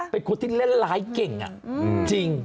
เป็นคนที่เล่นร้ายเก่งจริง